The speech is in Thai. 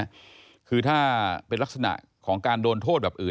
คือถ้าเป็นลักษณะของการโดนโทษแบบอื่น